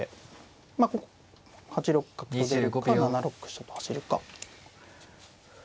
まあここ８六角と出るか７六飛車と走るか。